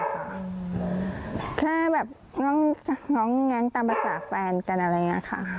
แค่แบบง้อแง้งตามภาษาแฟนกันอะไรอย่างนี้ค่ะ